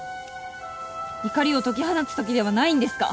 怒りを解き放つときではないんですか？